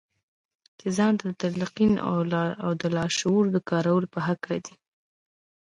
چې ځان ته د تلقين او د لاشعور د کارولو په هکله دي.